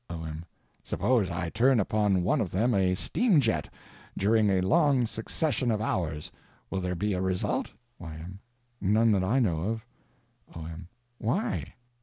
O.M. Suppose I turn upon one of them a steam jet during a long succession of hours. Will there be a result? Y.M. None that I know of. O.M. Why?